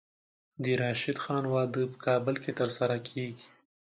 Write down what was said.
د راشد خان واده په کابل کې ترسره کیږي.